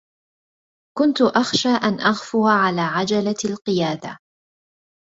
كنت أخشى أن أغفو على عجلة القيادة.